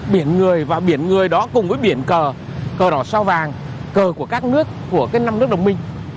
biển người và biển người đó cùng với biển cờ đỏ sao vàng cờ của các nước của năm nước đồng minh